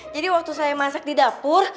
jadi waktu saya masak di dapur